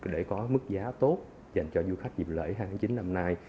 để có mức giá tốt dành cho du khách dịp lễ hàng chính năm nay